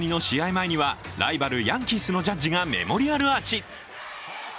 前にはライバル・ヤンキースのジャッジがメモリアルアーチ。